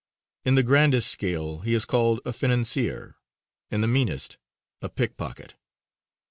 In the grandest scale he is called a financier; in the meanest, a pickpocket.